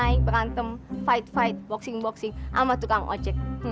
naik berantem fight fight boxing boxing sama tukang ojek